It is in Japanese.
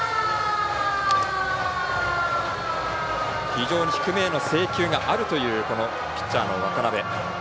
非常に低めへの制球があるというピッチャーの渡邊。